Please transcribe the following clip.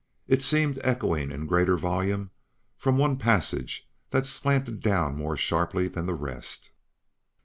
It seemed echoing in greater volume from one passage that slanted down more sharply than the rest.